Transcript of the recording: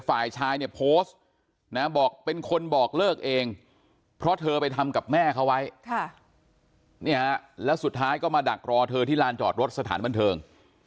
ฝ่ายชายเนี่ยโพสต์นะบอกเป็นคนบอกเลิกเองเพราะเธอไปทำกับแม่เขาไว้แล้วสุดท้ายก็มาดักรอเธอที่ลานจอดรถสถานบันเทิง